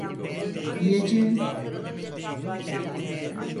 Yiyeceğim.